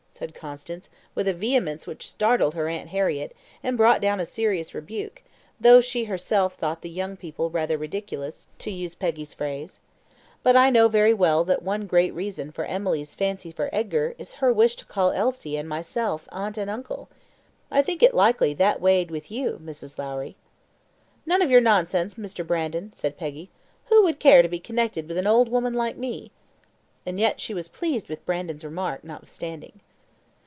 said Constance, with a vehemence which startled her aunt Harriett, and brought down a serious rebuke, though she herself thought the young people rather ridiculous, to use Peggy's phrase. But I know very well that one great reason for Emily's fancy for Edgar is her wish to call Elsie and myself aunt and uncle. I think it likely that that weighed with you, Mrs. Lowrie." "None of your nonsense, Mr. Brandon," said Peggy. "Who would care to be connected with an old woman like me?" and yet she was pleased with Brandon's remark, notwithstanding.